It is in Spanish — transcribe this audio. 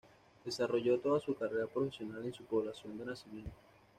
Desarrolló toda su carrera profesional en su población de nacimiento.